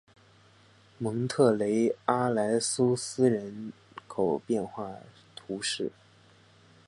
蒙特雷阿莱苏斯人口变化图示